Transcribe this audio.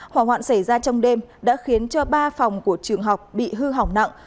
hỏa hoạn xảy ra trong đêm đã khiến cho ba phòng của trường học bị hư hỏng nặng